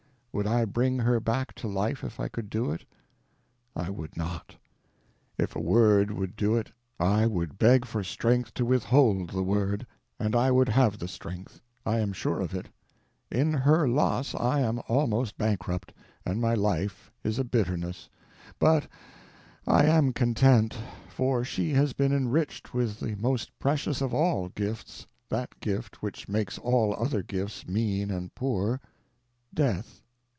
Would I bring her back to life if I could do it? I would not. If a word would do it, I would beg for strength to withhold the word. And I would have the strength; I am sure of it. In her loss I am almost bankrupt, and my life is a bitterness, but I am content: for she has been enriched with the most precious of all gifts—that gift which makes all other gifts mean and poor—death.